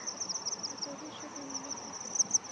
د زري شګو نینکې.